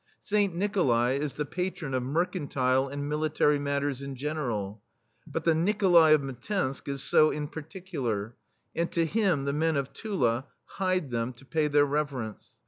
Saint Nikolai is the Patron of mercantile and military matters in general, but the "Nikolai of Mtzensk is so in particular, and to him the men of Tula hied them to pay their rever ence.